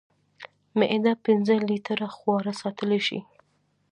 معده پنځه لیټره خواړه ساتلی شي.